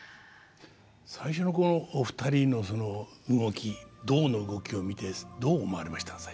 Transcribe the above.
最初のこのお二人のその動き「動」の動きを見てどう思われました？